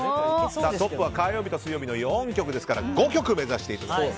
トップは火曜と水曜の４曲ですから５曲を目指していただいて。